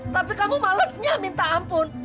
tapi kamu malesnya minta ampun